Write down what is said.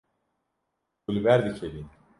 Tu li ber dikevî.